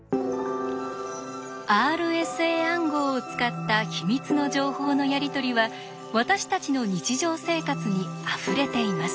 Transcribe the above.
ＲＳＡ暗号を使った秘密の情報のやり取りは私たちの日常生活にあふれています。